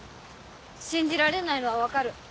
信じられないのは分かる。